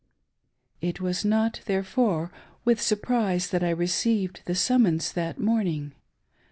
It was not, therefore, with surprise that I received the summons that morning.